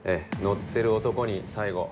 ッてる男に最後。